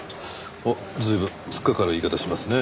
随分突っかかる言い方しますね。